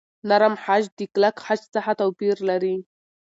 نرم خج د کلک خج څخه توپیر لري.